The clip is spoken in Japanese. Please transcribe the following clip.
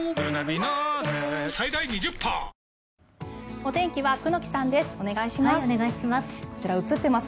お天気は久能木さんです。